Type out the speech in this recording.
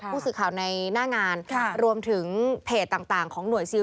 ผู้สื่อข่าวในหน้างานรวมถึงเพจต่างของหน่วยซิล